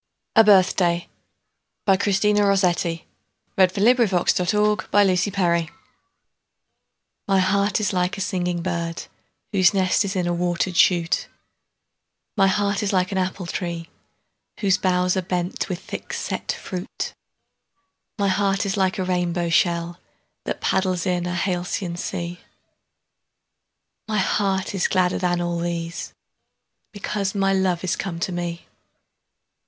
f English Verse: 1250–1900. Christina Georgina Rossetti. 1830–1894 780. A Birthday MY heart is like a singing bird Whose nest is in a water'd shoot; My heart is like an apple tree Whose boughs are bent with thick set fruit; My heart is like a rainbow shell 5 That paddles in a halcyon sea; My heart is gladder than all these, Because my love is come to me.